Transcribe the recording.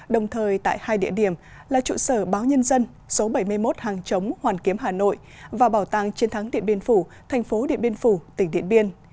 đồng thời tại hai địa điểm là trụ sở báo nhân dân số bảy mươi một hàng chống hoàn kiếm hà nội và bảo tàng chiến thắng điện biên phủ thành phố điện biên phủ tỉnh điện biên